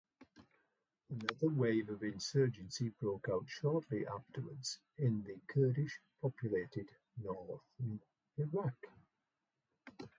Another wave of insurgency broke out shortly afterwards in the Kurdish populated northern Iraq.